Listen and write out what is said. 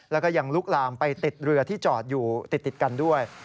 แล้วก็ยังลุกลามไปติดเรือที่จอดอยู่ติดกันด้วย